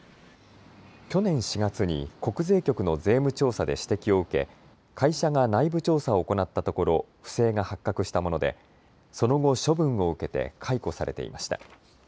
去年４月に国税局の税務調査で指摘を受け、会社が内部調査を行ったところ不正が発覚したものでその後、処分を受けて解雇されていました。